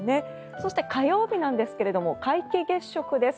そして火曜日なんですが皆既月食です。